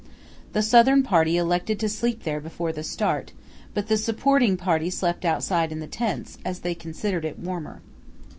The Southern Party elected to sleep there before the start, but the supporting party slept outside in the tents, as they considered it warmer.